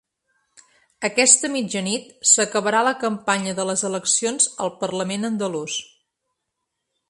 Aquesta mitjanit s’acabarà la campanya de les eleccions al parlament andalús.